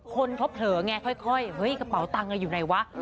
คนเขาเผลอไงค่อยเฮ้ยกระเป๋าตังค์อยู่ไหนวะ